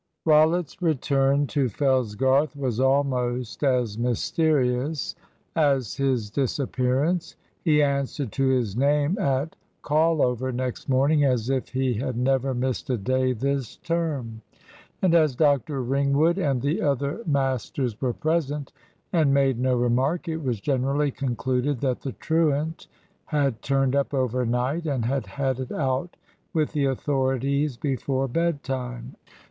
Rollitt's return to Fellsgarth was almost as mysterious as his disappearance. He answered to his name at call over next morning as if he had never missed a day this term. And as Dr Ringwood and the other masters were present, and made no remark, it was generally concluded that the truant had turned up over night, and had had it out with the authorities before bedtime.